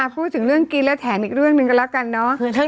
พูดถึงเรื่องกินแล้วแถมอีกเรื่องหนึ่งกันแล้วกันเนอะ